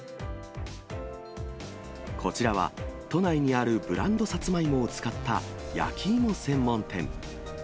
こちらは、都内にあるブランドさつまいもを使った焼き芋専門店。